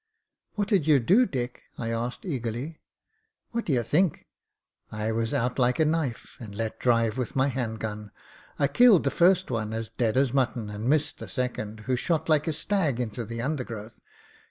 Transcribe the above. "What did you do, Dick ?" I asked, eagerly. "What d'you think? I was out like a knife and let drive with my hand gun. I killed the first one as dead as mutton, and missed the second, who shot like a stag into the undergrowth.